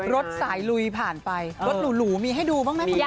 รถสายลุยผ่านไปรถหรูมีให้ดูบ้างไหมคุณยาย